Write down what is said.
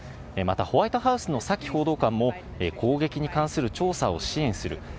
また、ホワイトハウスのサキ報道官も、攻撃に関する調査を支援する。